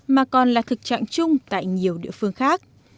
mà còn là thực trạng chung tại nhiều địa phương khác